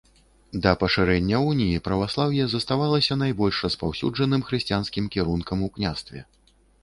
Да пашырэння уніі праваслаўе заставалася найбольш распаўсюджаным хрысціянскім кірункам у княстве.